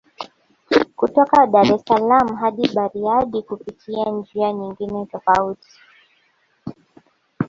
Kutoka Dar es salaaam hadi Bariadi kupitia njia nyingine tofauti